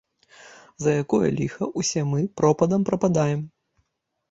За якое ліха ўсе мы пропадам прападаем?